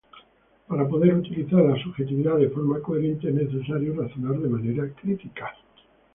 Para poder utilizar la subjetividad de forma coherente es necesario razonar de manera crítica.